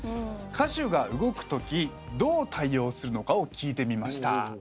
歌手が動くときどう対応するのかを聞きました。